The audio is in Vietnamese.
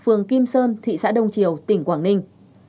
phường kim sơn thị xã đông triều tỉnh quảng ninh